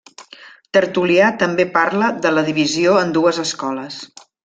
Tertulià també parla de la divisió en dues escoles.